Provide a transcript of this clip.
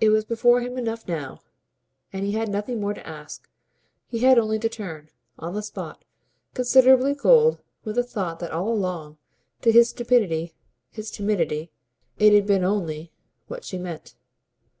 It was before him enough now, and he had nothing more to ask; he had only to turn, on the spot, considerably cold with the thought that all along to his stupidity, his timidity it had been, it had been only, what she meant.